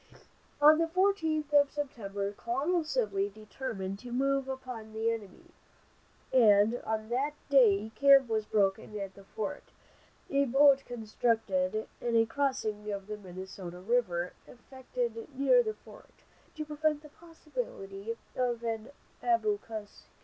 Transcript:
On the 18th of September, Colonel Sibley determined to move upon the enemy, and on that day camp was broken at the fort, a boat constructed, and a crossing of the Minnesota river effected near the fort, to prevent the possibility of an ambuscade.